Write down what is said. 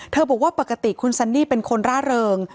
บอกว่าปกติคุณซันนี่เป็นคนร่าเริง